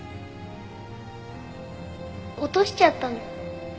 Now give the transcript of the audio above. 落としちゃったの。